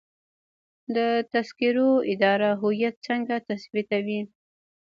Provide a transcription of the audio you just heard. د تذکرو اداره هویت څنګه تثبیتوي؟